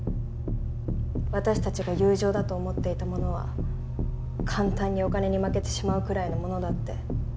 私たちが友情だと思っていたものは簡単にお金に負けてしまうくらいのものだって。